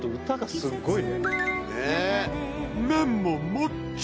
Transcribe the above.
すごいね。